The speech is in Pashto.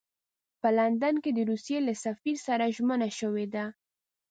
په لندن کې د روسیې له سفیر سره ژمنه شوې ده.